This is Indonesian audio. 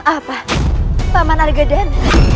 apa paman argaden